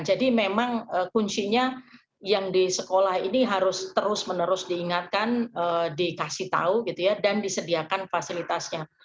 jadi memang kuncinya yang di sekolah ini harus terus menerus diingatkan dikasih tahu gitu ya dan disediakan fasilitasnya